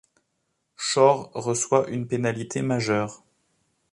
Shore reçoit une pénalité majeur.